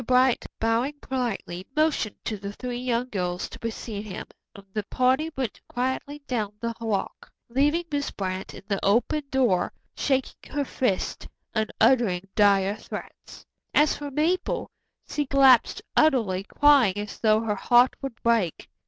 Bright, bowing politely, motioned to the three young girls to precede him, and the party went quietly down the walk, leaving Miss Brant in the open door, shaking her fist and uttering dire threats. As for Mabel, she collapsed utterly, crying as though her heart would break.